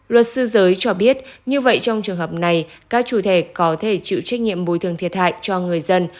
luật sư giới cho biết như vậy trong trường hợp này các chủ thể có thể chịu trách nhiệm bồi thường thiệt hại cho người dân